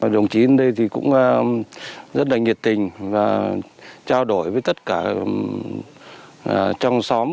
đồng chí đến đây thì cũng rất là nhiệt tình và trao đổi với tất cả trong xóm